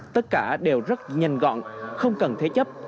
tất cả đều rất nhanh gọn không cần thế chấp